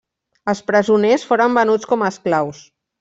Els presoners foren venuts com esclaus.